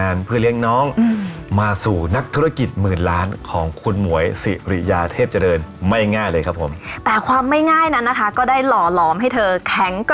ไปถึงแน่นอนขอให้ฝันแล้วทำ